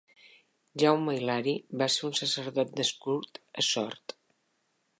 Jaume Hilari va ser un sacerdot nascut a Sort.